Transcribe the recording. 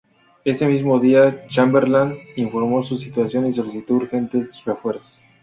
Ese mismo día, Chamberlain informó su situación y solicitó urgentes refuerzos.